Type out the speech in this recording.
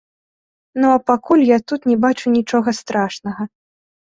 Ну а пакуль я тут не бачу нічога страшнага.